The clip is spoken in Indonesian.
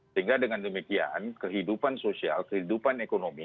sehingga dengan demikian kehidupan sosial kehidupan ekonomi